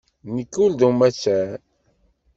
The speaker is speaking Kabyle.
Nekk ur d amattar.